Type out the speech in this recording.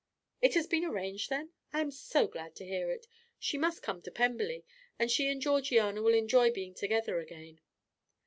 "It has been arranged, then? I am so glad to hear it; she must come on to Pemberley, and she and Georgiana will enjoy being together again."